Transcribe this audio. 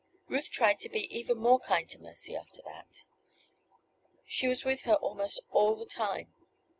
Ruth tried to be even more kind to Mercy after that. She was with her almost all the time.